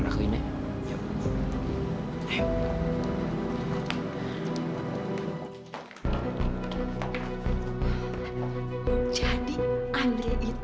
ya boleh lepasin